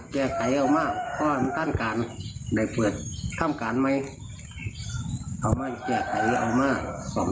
เขามาแคร์แบบต้อไว้เพื่อได้ใส่งานท่านกำหนดก่อน